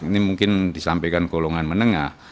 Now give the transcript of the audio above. ini mungkin disampaikan golongan menengah